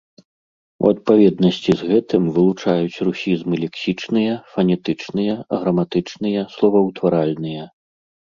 У адпаведнасці з гэтым вылучаюць русізмы лексічныя, фанетычныя, граматычныя, словаўтваральныя.